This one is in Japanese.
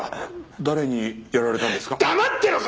誰にやられたんですか？